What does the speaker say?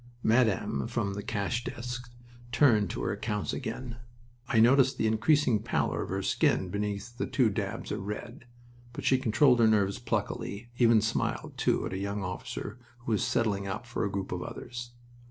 Madame from the cash desk turned to her accounts again. I noticed the increasing pallor of her skin beneath the two dabs of red. But she controlled her nerves pluckily; even smiled, too, at the young officer who was settling up for a group of others.